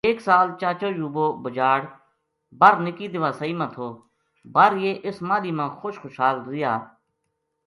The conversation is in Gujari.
ایک سال چاچو یوبو بجاڑ بر نِکی دیواسئی ما تھو بر یہ اس ماہلی ما خوش خشحال رہیا